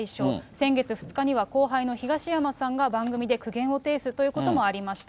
先月２日には後輩の東山さんが番組で苦言を呈すということもありました。